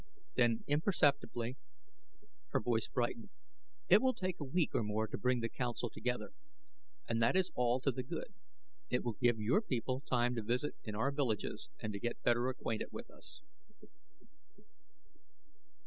Then, imperceptibly, her voice brightened. "It will take a week or more to bring the council together. And that is all to the good; it will give your people time to visit in our villages and to get better acquainted with us."